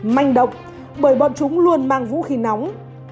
manh động bởi bọn chúng luôn mang vũ khí nóng